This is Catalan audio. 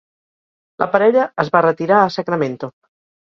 La parella es va retirar a Sacramento.